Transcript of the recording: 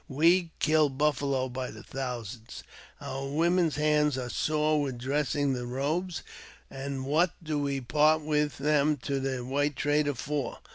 We kill buffalo by the thousand; our women's hands are sore with dressing ^ the robes ; and what do we part with them to the white trader ■ for?